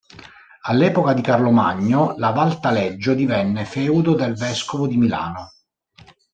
All'epoca di Carlo Magno, la Val Taleggio divenne feudo del vescovo di Milano.